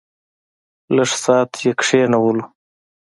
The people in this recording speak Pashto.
لږ ساعت یې کېنولو.